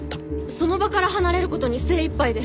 その場から離れる事に精いっぱいで。